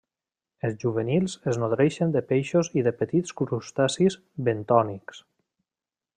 Els juvenils es nodreixen de peixos i de petits crustacis bentònics.